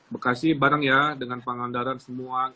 bekasi bareng ya dengan pangandaran semua